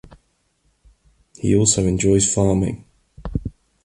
He also enjoys farming.